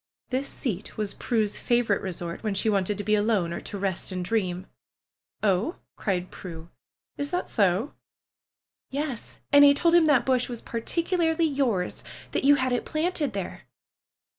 This seat was Prue's favorite resort when she wanted to be alone or to rest and dream. "Oh!" cried Prue. "Is that so?" "Yes! And I told him that bush was particularly yours. That you had it planted there.